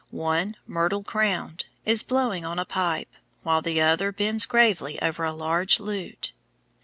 One, myrtle crowned, is blowing on a pipe, while the other bends gravely over a large lute.